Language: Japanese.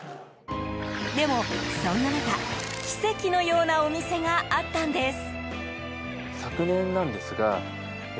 でも、そんな中、奇跡のようなお店があったんです。